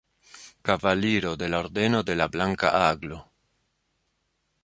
Kavaliro de la Ordeno de la Blanka Aglo.